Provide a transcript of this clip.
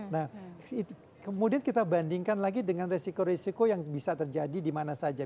nah kemudian kita bandingkan lagi dengan resiko resiko yang bisa terjadi di mana saja